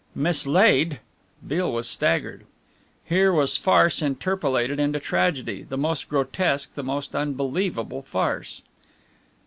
"Mislaid!" Beale was staggered. Here was farce interpolated into tragedy the most grotesque, the most unbelievable farce.